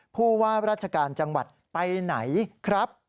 ผู้ว่าราชการจังหวัดไปไหนครับ